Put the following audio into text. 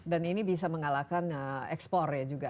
dan ini bisa mengalahkan ekspor ya juga